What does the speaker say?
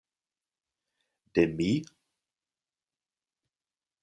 De mi?